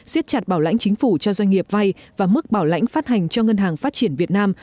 xiết chặt bảo lãnh chính phủ cho doanh nghiệp vay và mức bảo lãnh phát hành cho ngân hàng phát triển việt nam